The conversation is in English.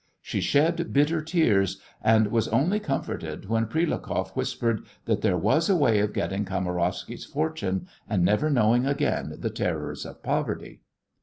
She shed bitter tears, and was only comforted when Prilukoff whispered that there was a way of getting Kamarowsky's fortune and never knowing again the terrors of poverty.